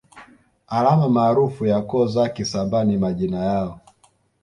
Alama maarufu ya koo za Kisambaa ni majina yoa